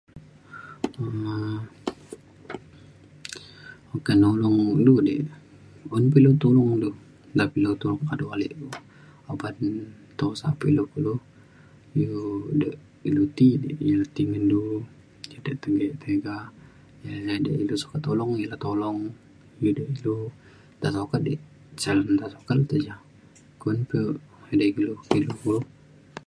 okak nulong du di un pe ilu tolong du [unintelligible] nta pe ilu tolong kado ale uban tusa pe ilu kulu iu de ilu ti di ilu ti ngen du de tega tega iu de ilu sukat tolong ilu tolong [unintelligible] dalau ke di [unintelligible] kun pe edei kulu [unintelligible]